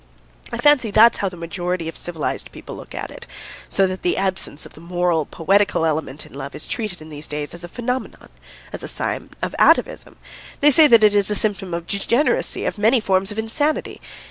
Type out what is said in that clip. I fancy that's how the majority of civilised people look at it, so that the absence of the moral, poetical element in love is treated in these days as a phenomenon, as a sign of atavism; they say it is a symptom of degeneracy, of many forms of insanity.